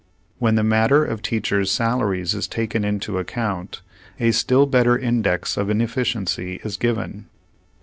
When the matter of teachers' sal aries is taken into account, a still better index of inefficiency is given.